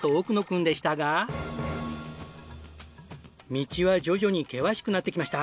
道は徐々に険しくなってきました。